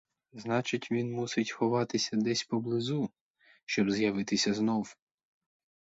Значить, він мусить ховатися десь поблизу, щоб з'явитися знов.